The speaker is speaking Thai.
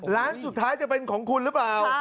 ร้านสุดท้ายจะเป็นของคุณหรือเปล่า